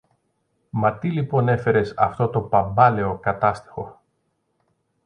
Μα τι λοιπόν έφερες αυτό το παμπάλαιο Κατάστιχο